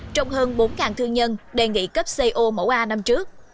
trong hơn bốn thương nhân đề nghị cấp co mẫu a năm trước